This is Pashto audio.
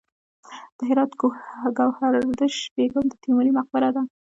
د هرات ګوهردش بیګم د تیموري مقبره ده